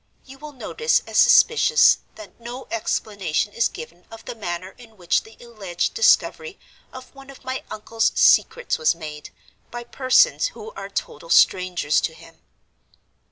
You will notice as suspicious, that no explanation is given of the manner in which the alleged discovery of one of my uncle's secrets was made, by persons who are total strangers to him.